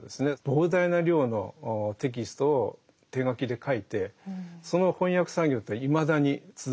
膨大な量のテキストを手書きで書いてその翻訳作業というのはいまだに続いてるんですね。